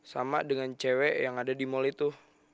sama dengan cewek yang ada di mal itu